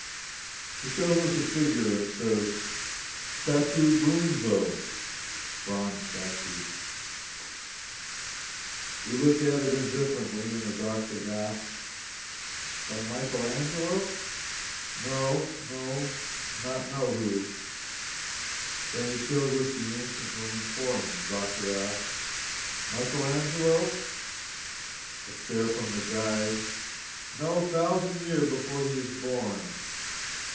He shows us a figure and says: "Statoo brunzo." (Bronze statue.) We look at it indifferently and the doctor asks: "By Michael Angelo?" "No not know who." Then he shows us the ancient Roman Forum. The doctor asks: "Michael Angelo?" A stare from the guide. "No thousan' year before he is born."